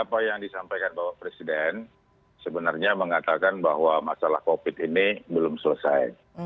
jadi apa yang disampaikan bapak presiden sebenarnya mengatakan bahwa masalah covid ini belum selesai